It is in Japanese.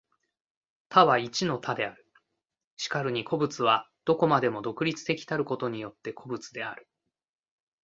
多は一の多である。然るに個物は何処までも独立的たることによって個物である。